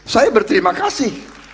saya berterima kasih